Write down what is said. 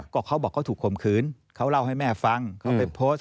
ก็เขาบอกเขาถูกข่มขืนเขาเล่าให้แม่ฟังเขาไปโพสต์